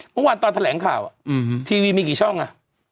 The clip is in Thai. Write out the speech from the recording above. เมื่อวานตอนแถลงข่าวทีวีมีกี่ช่องอ่ะ